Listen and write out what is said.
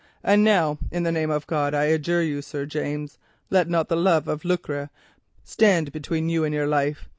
And now, in the name of God, I adjure you, Sir James, let not the love of lucre stand between you and your life.